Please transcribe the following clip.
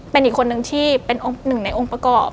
เป็นอีกคนนึงที่เป็นหนึ่งในองค์ประกอบ